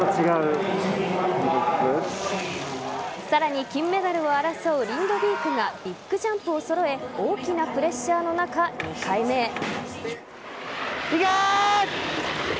さらに、金メダルを争うリンドビークがビッグジャンプを揃え大きなプレッシャーの中２回目へ。